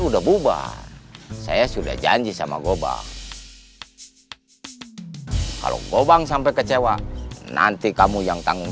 udah bubar saya sudah janji sama goba kalau go bang sampai kecewa nanti kamu yang tanggung